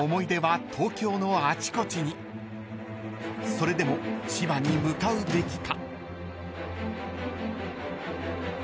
［それでも千葉に向かうべきか？］